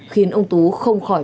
ba trăm linh khiến ông tú không khỏi